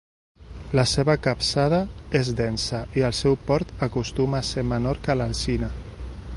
La seva capçada és densa i el seu port acostuma a ser menor que l'alzina.